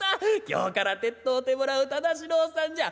今日から手伝うてもらう忠四郎さんじゃ。